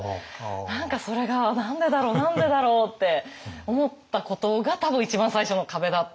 何かそれが何でだろう何でだろうって思ったことが多分一番最初の壁だったんですよね。